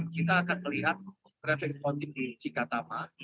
kita akan melihat traffic accounting di cikatapa